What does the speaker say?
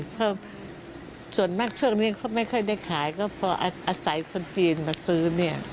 เพราะส่วนมากช่วงนี้เขาไม่ค่อยได้ขายก็พออาศัยคนจีนมาซื้อเนี่ย